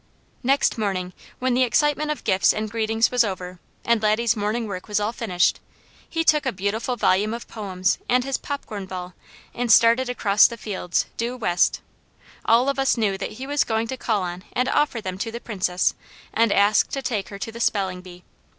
Next morning when the excitement of gifts and greetings was over, and Laddie's morning work was all finished, he took a beautiful volume of poems and his popcorn ball and started across the fields due west; all of us knew that he was going to call on and offer them to the Princess, and ask to take her to the spelling bee.